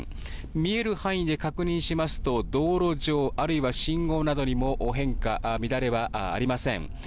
見える範囲で確認しますと、道路上、あるいは信号などにも変化、乱れはありません。